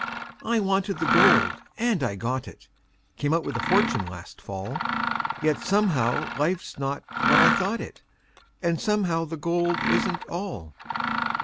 I wanted the gold, and I got it Came out with a fortune last fall, Yet somehow life's not what I thought it, And somehow the gold isn't all.